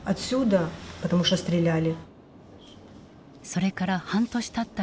それから半年たった